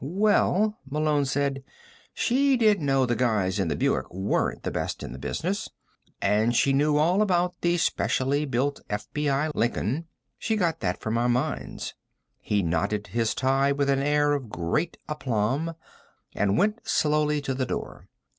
"Well," Malone said, "she did know the guys in the Buick weren't the best in the business and she knew all about the specially built FBI Lincoln. She got that from our minds." He knotted his tie with an air of great aplomb, and went, slowly to the door.